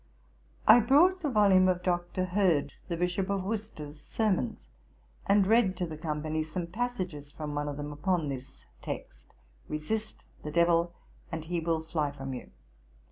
I brought a volume of Dr. Hurd the Bishop of Worcester's Sermons, and read to the company some passages from one of them, upon this text, '_Resist the Devil, and he will fly from you.'